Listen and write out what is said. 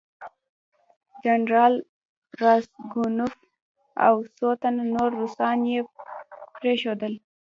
جنرال راسګونوف او څو تنه نور روسان یې پرېښودل.